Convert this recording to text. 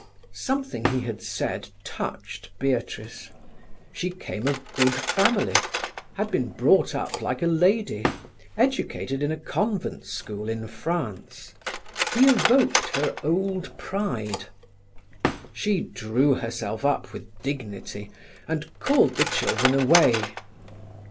Something he had said touched Beatrice. She came of good family, had been brought up like a lady, educated in a convent school in France. He evoked her old pride. She drew herself up with dignity, and called the children away.